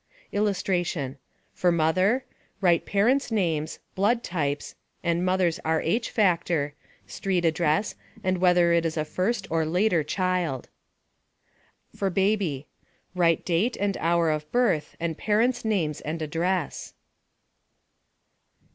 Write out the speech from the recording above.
[Illustration: For mother Write parents' names, blood types, and mother's Rh factor, street address, and whether it is a first or later child.] [Illustration: For baby Write date and hour of birth and parents' names and address.